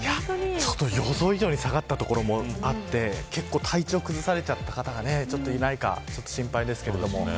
予想以上に下がった所もあって結構、体調を崩されちゃった方がいないか心配ですけれども。